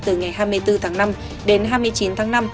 từ ngày hai mươi bốn tháng năm đến hai mươi chín tháng năm